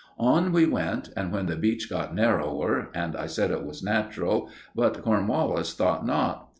On we went, and then the beach got narrower, and I said it was natural, but Cornwallis thought not.